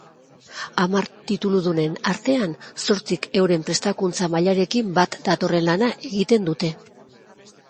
Hamar tituludunen artean zortzik euren prestakuntza mailarekin bat datorren lana egiten dute.